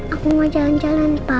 aku mau jalan jalan pak